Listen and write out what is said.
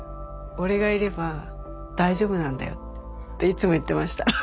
俺がいれば大丈夫なんだよっていつも言ってました。